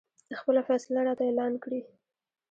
خپله فیصله راته اعلان کړي.